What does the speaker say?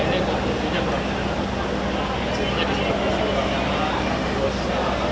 selama ini konversinya gua fitur bio bio spesifikasi hura yang ikut